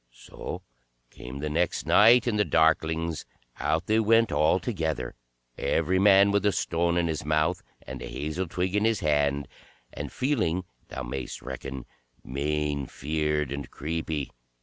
So came the next night in the darklings, out they went all together, every man with a stone in his mouth, and a hazel twig in his hand, and feeling, thou may'st reckon, main feared and creepy.